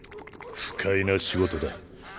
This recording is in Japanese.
不快な仕事だ。